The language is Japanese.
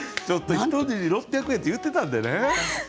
ちょっとひと塗り６００円って言ってたんでね。